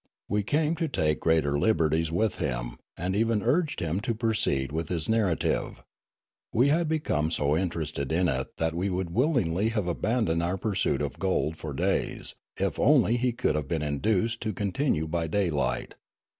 We came to take greater liberties with him, and even urged him to proceed with his nar rative. We had become so interested in it that we would willingly have abandoned our pursuit of gold for days, if only he could have been induced to con tinue by daylight.